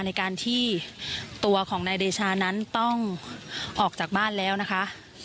ในการที่ตัวของนายเดชานั้นต้องออกจากบ้านแล้วนะคะ